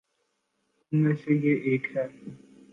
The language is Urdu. ان میں سے یہ ایک ہے۔